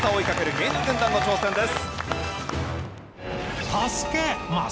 芸人軍団の挑戦です。